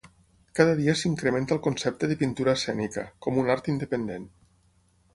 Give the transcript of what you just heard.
Cada dia s'incrementa el concepte de pintura escènica, com un art independent.